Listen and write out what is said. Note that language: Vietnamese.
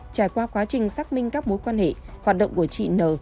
trải qua quá trình xác minh các mối quan hệ hoạt động của chị n